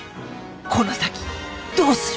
この先どうする！？